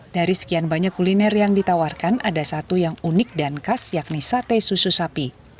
dari sekian banyak kuliner yang ditawarkan ada satu yang unik dan khas yakni sate susu sapi